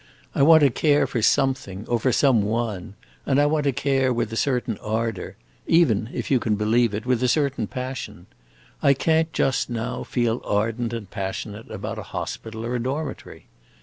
I want to care for something, or for some one. And I want to care with a certain ardor; even, if you can believe it, with a certain passion. I can't just now feel ardent and passionate about a hospital or a dormitory.